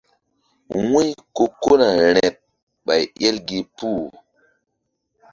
Wu̧y ko kona rȩɗ ɓay el gi puh.